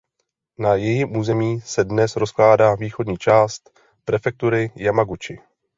Na jejím území se dnes rozkládá východní část prefektury Jamaguči.